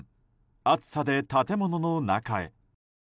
暑さで建物の中へ。